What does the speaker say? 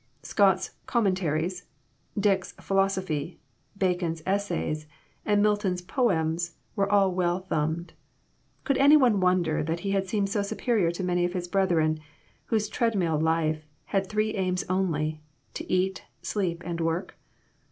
Scott's "Commentaries," Dick's "Philosophy," Bacon's "Essays," and Milton's "Poems" were all well thumbed. Could anyone wonder that he had seemed so superior to many of his brethren, whose treadmill life had three aims only to eat, sleep and work